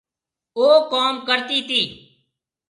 او ڪوم ڪرتي تي